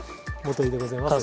川でございます。